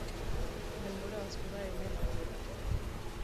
Denbora asko da hemen nagoela.